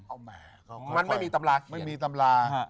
เอาแม่มันไม่มีตำราเขียน